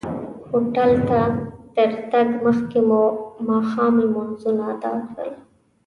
هوټل ته تر تګ مخکې مو ماښام لمونځونه ادا کړل.